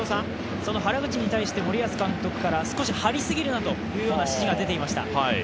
その原口に対して森保監督から少しはりすぎるなという指示が出ていました。